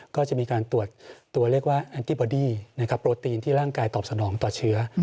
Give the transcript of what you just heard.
ก็จะมีการตรวจตัวเลขว่าแอนติบอดี้นะครับโปรตีนที่ร่างกายตอบสนองต่อเชื้อ